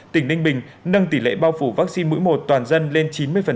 tỉnh ninh bình nâng tỷ lệ bao phủ vaccine mũi một toàn dân lên chín mươi